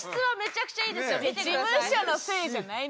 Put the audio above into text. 事務所のせいじゃないのよ。